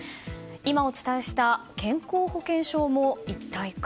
今、お伝えした健康保険証も一体化。